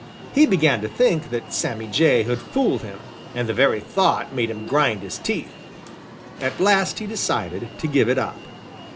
He began to think that Sammy Jay had fooled him, and the very thought made him grind his teeth. At last he decided to give it up.